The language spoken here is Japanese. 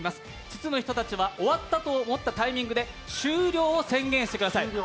包む人たちは終わったと思ったタイミングで終了を宣言してください。